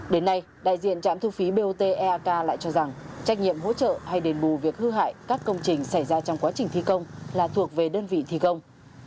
đến nay đại diện trạm thu phí bot eak lại cho rằng trách nhiệm hỗ trợ hay đền bù việc hư hại các công trình xảy ra trong quá trình thi công là thuộc về đơn vị thi công